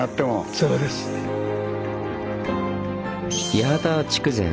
八幡は筑前。